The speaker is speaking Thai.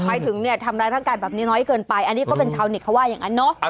หมายถึงเนี่ยทำร้ายร่างกายแบบนี้น้อยเกินไปอันนี้ก็เป็นชาวเน็ตเขาว่าอย่างนั้นเนาะ